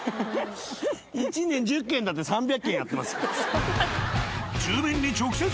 １年１０軒だって３００軒やってます。